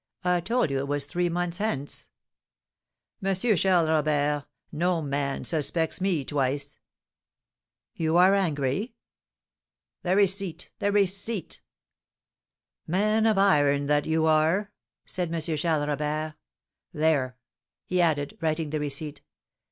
I told you it was three months hence." "Monsieur Charles Robert, no man suspects me twice." "You are angry?" "The receipt, the receipt!" "Man of iron, that you are!" said M. Charles Robert. "There!" he added, writing the receipt.